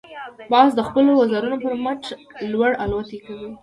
باز د خپلو وزرونو پر مټ لوړ الوت کوي